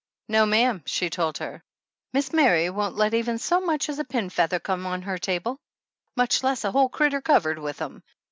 "No, ma'am" she told her, "Mis' Mary won't let even so much as a pin feather come on her table, much less a whole crittur covered with 'em.